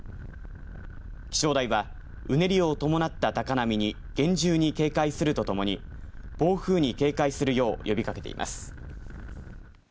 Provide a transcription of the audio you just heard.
気象台はうねりを伴った高波に厳重に警戒するとともに暴風に警戒するよう呼びかけています。